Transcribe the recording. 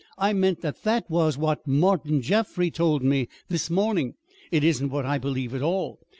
I meant that that was what Martin Jaffry told me this morning. It isn't what I believe at all.